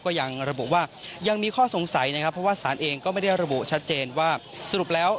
ก็ยังระบุว่ายังมีข้อสงสัยนะครับเพราะว่าสารเองก็ไม่ได้ระบุชัดเจนว่าสรุปแล้ว